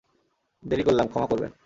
দেরি করলাম, ক্ষমা করবেন।